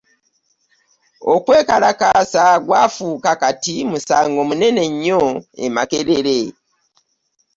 Okwekalakaasa gwafuuka Kati musango munene nnyo e Makerere